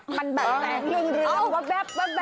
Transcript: มันแบบแบบมันแบบแบบ